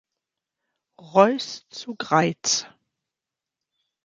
Reuß zu Greiz.